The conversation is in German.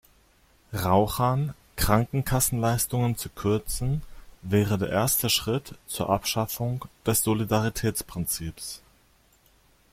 Rauchern Krankenkassenleistungen zu kürzen, wäre der erste Schritt zur Abschaffung des Solidaritätsprinzips.